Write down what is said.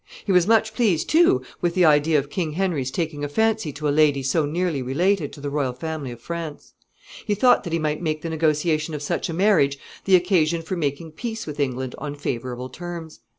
He was much pleased, too, with the idea of King Henry's taking a fancy to a lady so nearly related to the royal family of France. He thought that he might make the negotiation of such a marriage the occasion for making peace with England on favorable terms.